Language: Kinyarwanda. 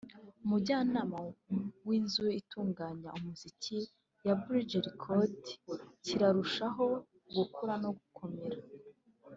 umujyanama w’inzu itunganya umuziki ya Bridge Records kirarushaho gukura no gukomera